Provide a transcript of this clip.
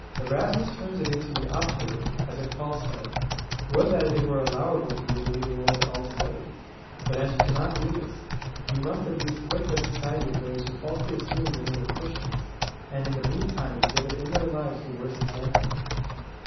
Erasmus turns it into the optative, as if Paul said, " Would that it were allowable for you to leave the world altogether;^ but as you cannot do this, you must at least quit the society of those who falsely assume the name of Christians, and in the meantime exhibit in their lives the worst example."